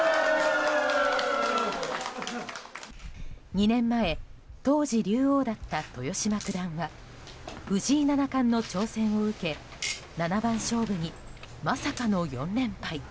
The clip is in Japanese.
２年前、当時竜王だった豊島九段は藤井七冠の挑戦を受け七番勝負にまさかの４連敗。